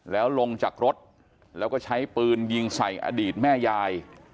แล้วลงจากรถแล้วก็ใช้ปืนยิงใส่อดีตแม่ยาย